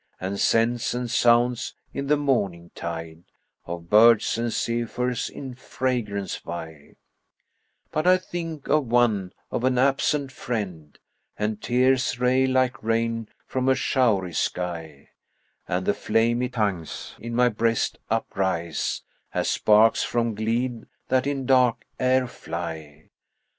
And scents and sounds in the morning tide * Of birds and zephyrs in fragrance vie; But I think of one, of an absent friend, * And tears rail like rain from a showery sky; And the flamy tongues in my breast uprise * As sparks from gleed that in dark air fly.